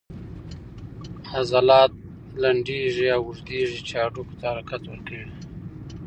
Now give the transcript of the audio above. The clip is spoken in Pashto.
عضلات لنډیږي او اوږدیږي چې هډوکو ته حرکت ورکوي